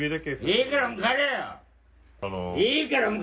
いいからもう帰れ！